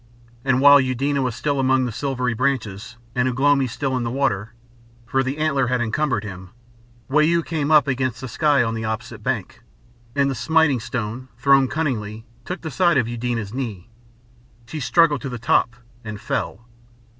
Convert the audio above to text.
And while Eudena was still among the silvery branches and Ugh lomi still in the water for the antler had encumbered him Wau came up against the sky on the opposite bank, and the smiting stone, thrown cunningly, took the side of Eudena's knee. She struggled to the top and fell.